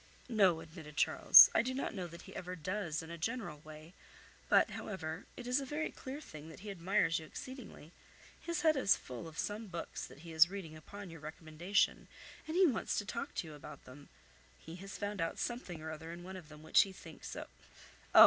"No," admitted Charles, "I do not know that he ever does, in a general way; but however, it is a very clear thing that he admires you exceedingly. His head is full of some books that he is reading upon your recommendation, and he wants to talk to you about them; he has found out something or other in one of them which he thinks—oh!